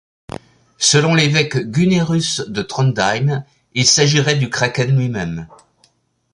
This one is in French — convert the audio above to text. Selon l'évêque Gunnerus de Trondheim, il s'agirait du kraken lui-même.